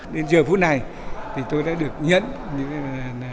đến giờ phút này thì tôi đã được nhận